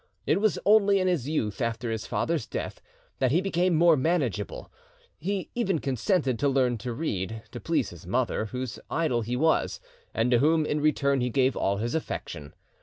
It was only in his youth, after his father's death, that he became more manageable; he even consented to learn to read, to please his mother, whose idol he was, and to whom in return he gave all his affection.